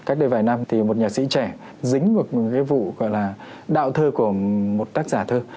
cách đây vài năm thì một nhạc sĩ trẻ dính một cái vụ gọi là đạo thơ của một tác giả thơ